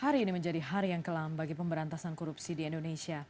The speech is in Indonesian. hari ini menjadi hari yang kelam bagi pemberantasan korupsi di indonesia